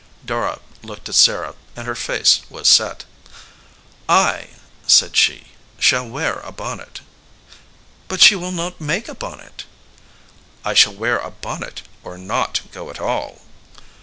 Dora looked at Sarah and her face was set. "I," said she, "shall wear a bonnet." "But she will not make a bonnet." "I shall wear a bonnet, or not go at all."